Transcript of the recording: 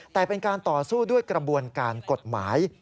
แต่เป็นการต่อสู้ด้วยกระบวนการกฎหมาย